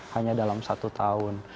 hanya dalam satu tahun